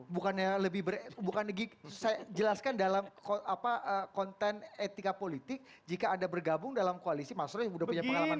bukannya lebih bukan lagi saya jelaskan dalam konten etika politik jika anda bergabung dalam koalisi mas roy sudah punya pengalaman